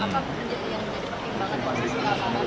apa yang penting banget untuk masyarakat apakah menangkap teror kembali